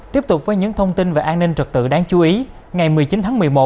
tiếp tục với những thông tin về an ninh trật tự đáng chú ý ngày một mươi chín tháng một mươi một